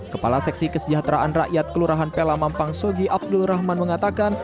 kepala seksi kesejahteraan rakyat kelurahan pela mampang sogi abdul rahman mengatakan